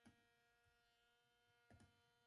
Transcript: He is buried in Windsor, Vermont.